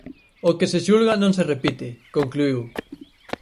O que se xulga non se repite, concluíu.